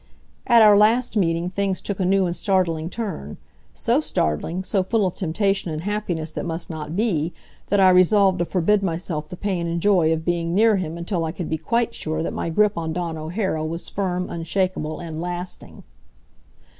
At our last meeting things took a new and startling turn. So startling, so full of temptation and happiness that must not be, that I resolved to forbid myself the pain and joy of being, near him until I could be quite sure that my grip on Dawn O'Hara was firm, unshakable and lasting.